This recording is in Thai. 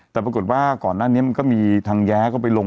แต่ปรากฏว่าก่อนหน้านี้มันก็มีทางแย้ก็ไปลง